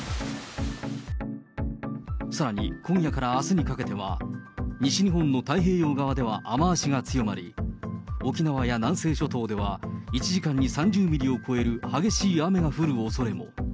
さらに今夜からあすにかけては、西日本の太平洋側では雨足が強まり、沖縄や南西諸島では、１時間に３０ミリを超える激しい雨が降るおそれも。